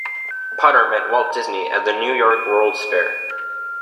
Potter met Walt Disney at the New York World's Fair.